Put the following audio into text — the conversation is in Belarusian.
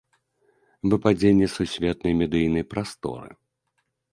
Выпадзенне з сусветнай медыйнай прасторы.